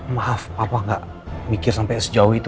maaf papa gak mikir sampai sejauh itu